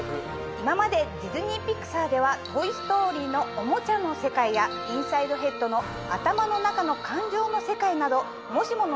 今までディズニー＆ピクサーでは『トイ・ストーリー』のおもちゃの世界や『インサイド・ヘッド』の頭の中の感情の世界などもしもの